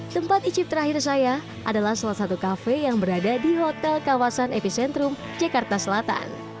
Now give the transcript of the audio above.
tempat icip terakhir saya adalah salah satu kafe yang berada di hotel kawasan epicentrum jakarta selatan